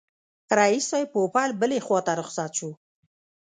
رییس صاحب پوپل بلي خواته رخصت شو.